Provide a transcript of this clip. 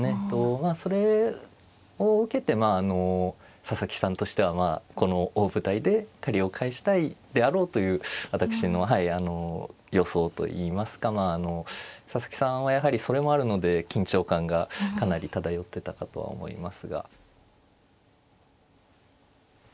まあそれを受けてあの佐々木さんとしてはまあこの大舞台で借りを返したいであろうという私の予想といいますか佐々木さんはやはりそれもあるので緊張感がかなり漂ってたかとは思いますが。